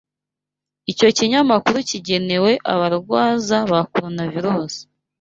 Icyo kinyamakuru kigenewe abarwaza ba Coronavirus